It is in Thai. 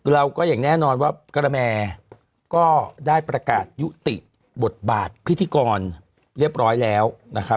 อย่างแน่นอนว่ากระแมก็ได้ประกาศยุติบทบาทพิธีกรเรียบร้อยแล้วนะครับ